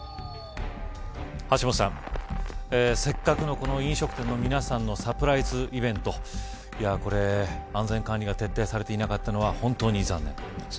橋下さん、せっかくの飲食店の皆さんのサプライズイベント安全管理が徹底されていなかったのは本当に残念。